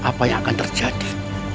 apa yang akan terjadi